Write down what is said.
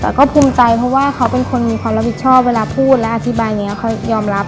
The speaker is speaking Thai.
แต่ก็ภูมิใจเพราะว่าเขาเป็นคนมีความรับผิดชอบเวลาพูดและอธิบาย